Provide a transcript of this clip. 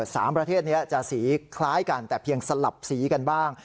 สามประเทศนี้จะสีคล้ายกันแต่เพียงสลับสีกันบ้าง